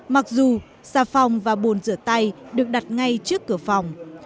mặc dù xà phòng và bồn rửa tay được đặt ngay trước cửa phòng